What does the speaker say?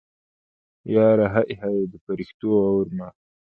یارو هی هی د فریشتو اورمه